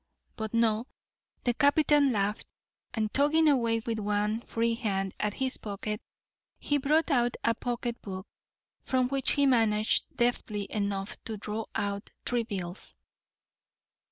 But no, the captain laughed, and tugging away with his one free hand at his pocket, he brought out a pocket book, from which he managed deftly enough to draw out three bills.